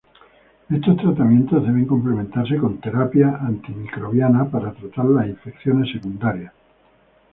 Estos tratamientos deben complementarse con terapia antimicrobiana para tratar las infecciones secundarias.